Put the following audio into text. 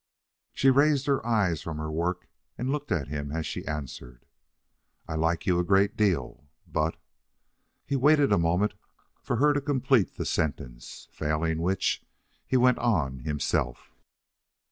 She raised her eyes from her work and looked at him as she answered: "I like you a great deal, but " He waited a moment for her to complete the sentence, failing which, he went on himself.